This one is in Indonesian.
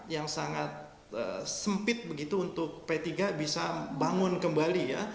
yang sangat sempit begitu untuk p tiga bisa bangun kembali ya